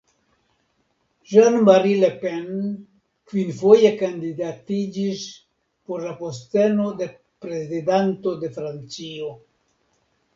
Jean-Marie Le Pen kvinfoje kandidatiĝis por la posteno de Prezidanto de Francio.